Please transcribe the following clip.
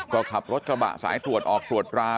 ก็ขับรถกระบะสายตรวจออกตรวจรา